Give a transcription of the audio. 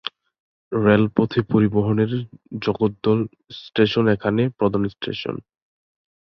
Rail পথে পরিবহনে Jagaddal station এখানে প্রধান স্টেশন।